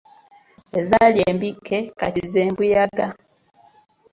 Ezaali embikke kati ze mbuyaga.